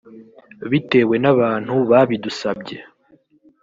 bitewe n’abantu babidusabye